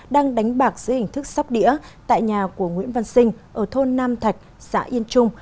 đang đánh bạc dưới hình thức sóc đĩa tại nhà của nguyễn văn sinh ở thôn nam thạch xã yên trung